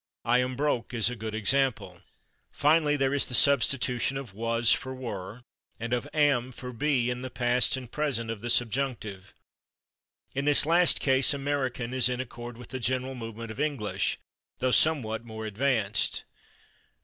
"I am /broke/" is a good example. Finally, there is the substitution of /was/ for /were/ and of /am/ for /be/ in the past and present of the subjunctive. In this last case American is in accord with the general movement of English, though somewhat more advanced.